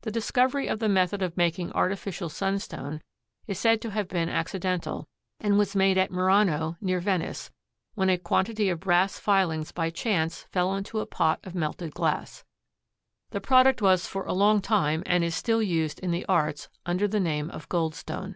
The discovery of the method of making artificial sunstone is said to have been accidental, and was made at Murano, near Venice, when a quantity of brass filings by chance fell into a pot of melted glass. The product was for a long time and is still used in the arts under the name of goldstone.